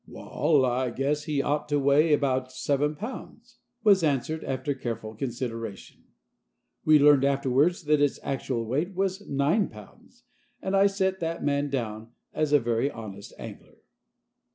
"Wal, I guess he ought to weigh abaout seven pounds," was answered, after careful consideration. We learned afterwards that its actual weight was nine pounds, and I set that man down as a very honest angler.